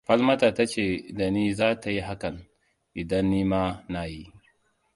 Falmata ta ce da ni za ta yi hakan, idan ni ma na yi.